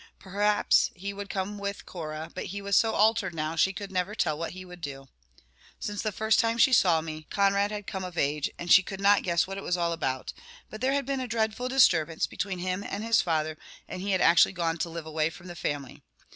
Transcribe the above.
Perhaps he would come with Cora, but he was so altered now, she could never tell what he would do. Since the time she first saw me, Conrad had come of age, and she could not guess what it was all about, but there had been a dreadful disturbance between him and his father, and he had actually gone to live away from the family.